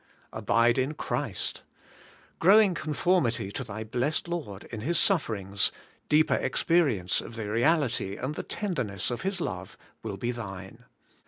Abide in Christ: growing conformity to thy blessed Lord in His suffer ings, deeper experience of the reality and the tender ness of His love will be thine.